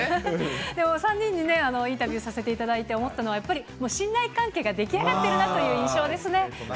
でも３人にインタビューさせていただいて思ったのは、やっぱり信頼関係が出来上がっているなという印象ですね。